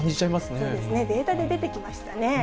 そうですね、データで出てきましたね。